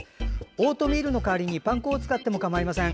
オートミールの代わりにパン粉を使っても構いません。